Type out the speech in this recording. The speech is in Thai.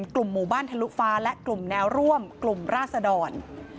กลุ่มหมู่บ้านทะลุฟ้าและกลุ่มแนวร่วมกลุ่มราศดร